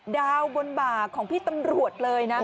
ดาวบนบ่าของพี่ตำรวจเลยนะ